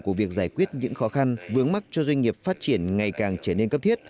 của việc giải quyết những khó khăn vướng mắt cho doanh nghiệp phát triển ngày càng trở nên cấp thiết